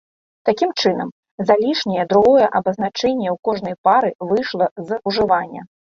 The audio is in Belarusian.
Такім чынам, залішняе другое абазначэнне ў кожнай пары выйшла з ужывання.